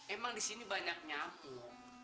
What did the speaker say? emang disini banyak nyamuk